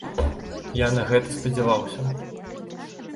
Я на гэта спадзяваўся.